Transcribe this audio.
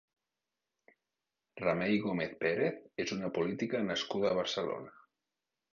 Remei Gómez Pérez és una política nascuda a Barcelona.